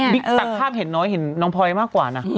บิกตัดคลาภเห็นน้อยเห็นน้องพร๊ายมากกว่านะ